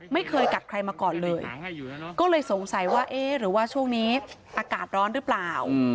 ไม่เคยกัดใครมาก่อนเลยก็เลยสงสัยว่าเอ๊ะหรือว่าช่วงนี้อากาศร้อนหรือเปล่า